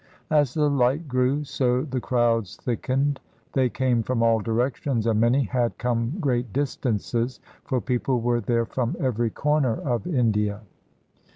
As the light grew, so the crowds thick ened. They came from all directions, and many had come great distances, for people were there from every corner of India.